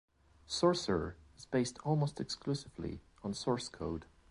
Sorcerer is based almost exclusively on source code.